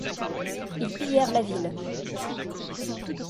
Ils pillèrent la ville.